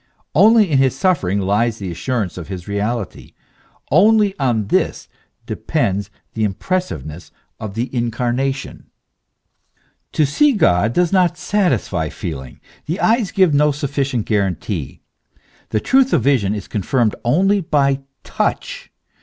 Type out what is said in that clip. Only in his suffering lies the assurance of his reality ; only on this H 146 THE ESSENCE OF CHRISTIANITY. depends the impress! veness of the incarnation. To see God does not satisfy feeling ; the eyes give no sufficient guarantee. The truth of vision is confirmed only by touch.